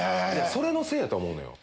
それのせいやと思うのよ。